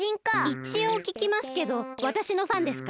いちおうききますけどわたしのファンですか？